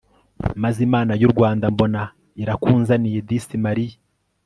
maze imana y'u rwanda mbona irakunzaniye disi mariya